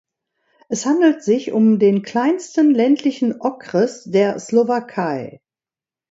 Es handelt sich um den kleinsten ländlichen Okres der Slowakei.